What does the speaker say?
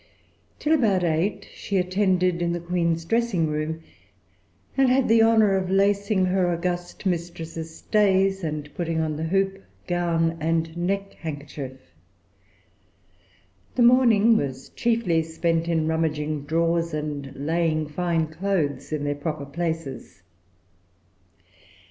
Till about eight she attended in the Queen's dressing room, and had the honor of lacing her august mistress's stays, and of putting on the hoop, gown, and neck handkerchief. The morning was chiefly spent in rummaging drawers and laying fine clothes in their proper places.